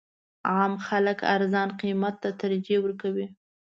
عام خلک ارزان قیمت ته ترجیح ورکوي.